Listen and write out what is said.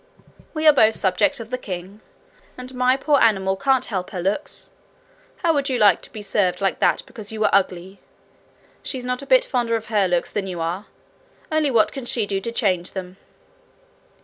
'We are both subjects of the king, and my poor animal can't help her looks. How would you like to be served like that because you were ugly? She's not a bit fonder of her looks than you are only what can she do to change them?'